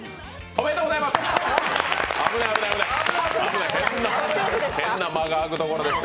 おめでとうございます！